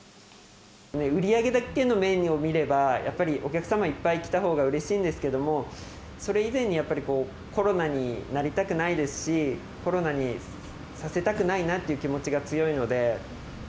売り上げだけの面を見れば、やっぱりお客様、いっぱい来たほうがうれしいんですけれども、それ以前にやっぱり、コロナになりたくないですし、コロナにさせたくないなっていう気持ちが強いので。